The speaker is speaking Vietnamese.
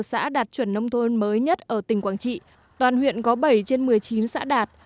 xã đạt chuẩn nông thôn mới nhất ở tỉnh quảng trị toàn huyện có bảy trên một mươi chín xã đạt